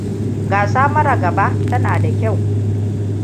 Gasa mara gaba tana da kyau.